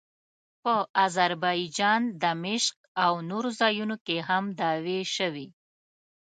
په اذربایجان، دمشق او نورو ځایونو کې هم دعوې شوې.